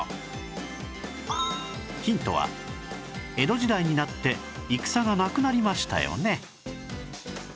ヒントは江戸時代になって戦がなくなりましたよね